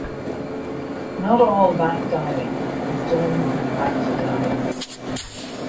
Not all vat dyeing is done with vat dyes.